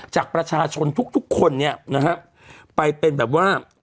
จากประชาชนทุกทุกคนเนี่ยนะฮะไปเป็นแบบว่า